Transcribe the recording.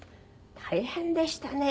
大変でしたね。